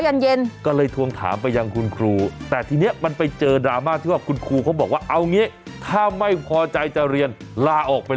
แล้วก็อยากลับเรียน้ำแต่เช้ายันเย็นเพราะ